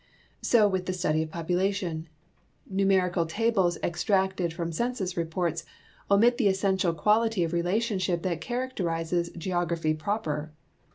So with the study of population. Numerical tables extracted from census reports omit the essential quality of relationship that characterizes geogra}>hy proper.